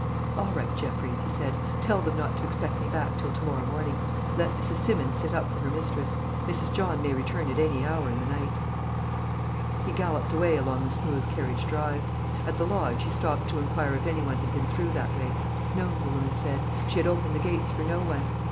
"All right, Jeffreys," he said; "tell them not to expect me back till to morrow morning. Let Mrs. Simmons sit up for her mistress. Mrs. John may return at any hour in the night." He galloped away along the smooth carriage drive. At the lodge he stopped to inquire if any one had been through that way. No, the woman said; she had opened the gates for no one.